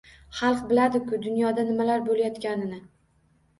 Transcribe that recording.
Xalq biladi-ku dunyoda nimalar bo‘layotganini.